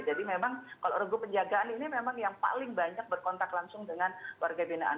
jadi memang kalau regu penjagaan ini memang yang paling banyak berkontak langsung dengan warga binaan